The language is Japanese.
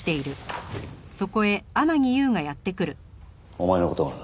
お前の事がな